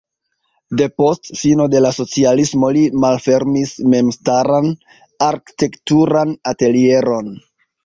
Depost fino de la socialismo li malfermis memstaran arkitekturan atelieron.